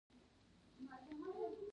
د ژبې فرهنګستان مرکزونه دا وظیفه لري.